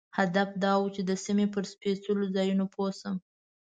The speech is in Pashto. هدف دا و چې د سیمې پر سپېڅلو ځایونو پوه شم.